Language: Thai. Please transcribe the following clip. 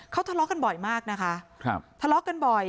เขาทะเลาะกันบ่อยมากนะคะครับทะเลาะกันบ่อย